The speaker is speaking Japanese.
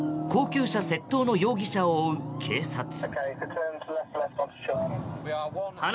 高級車窃盗の容疑者を追う警察。